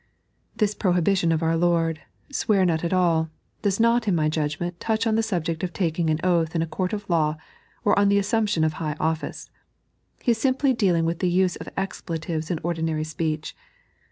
This prohibition of our Lord, "Swear not at all," does not, in my judgment, touch on the subject of taking an oath in a court of law or on the assumption of high office. He is simply dealing with the use of expletives in ordinary speech.